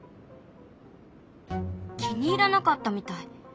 気に入らなかったみたい。